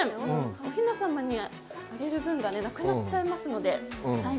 おひな様にあげる分がなくなっちゃいますので。